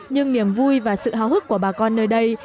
nhưng niềm vui và sự hào hức của bà con nơi đây